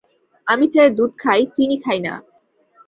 আমি চায়ে দুধ খাই, চিনি খাই না।